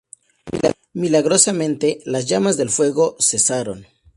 Milagrosamente, las llamas del fuego cesaron.